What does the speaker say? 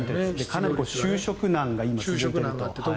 かなり就職難が今続いていると。